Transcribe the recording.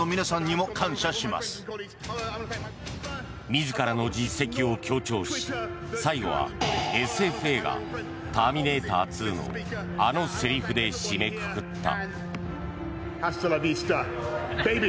自らの実績を強調し最後はＳＦ映画「ターミネーター２」のあのセリフで締めくくった。